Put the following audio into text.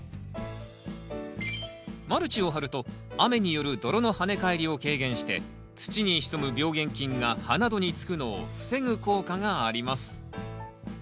マルチを張ると雨による泥の跳ね返りを軽減して土に潜む病原菌が葉などにつくのを防ぐ効果があります。